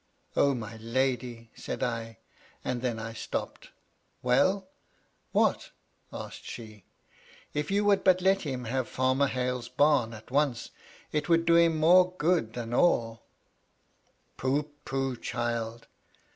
" O, my lady !" said I, and then I stopped. Well. What?" asked she. " ff you would but let him have Farmer Hale's bam at once, it would do him more good than alL" " Pooh, pooh, child